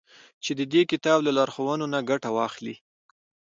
چي د دې كتاب له لارښوونو نه گټه واخلي.